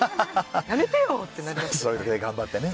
やめてよ！ってなりますよね。